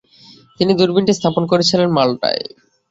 তিনি দূরবীনটি স্থাপন করেছিলেন মালটায়।